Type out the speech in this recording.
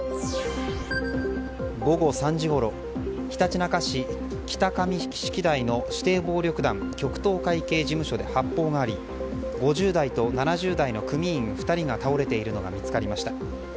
午後３時ごろひたちなか市北神敷台で指定暴力団極東会系事務所で発砲があり５０代と７０代の組員２人が倒れているのが見つかりました。